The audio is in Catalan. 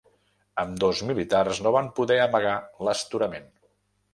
Ambdós militars no van poder amagar l’astorament.